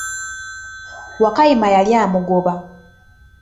Wakayima yali amugoba.